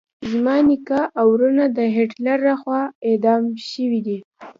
زما نیکه او ورونه د هټلر لخوا اعدام شويدي.